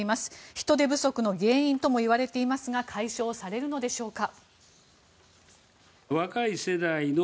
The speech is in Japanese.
人手不足の原因ともいわれていますが解消されるのでしょうか。